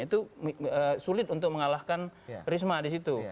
itu sulit untuk mengalahkan risma di situ